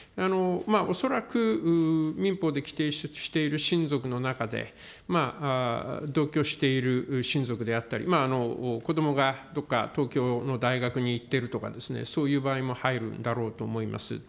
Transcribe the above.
恐らく民法で規定している親族の中で、同居している親族であったり、子どもがどっか東京の大学に行ってるとかですね、そういう場合も入るんだろうと思います。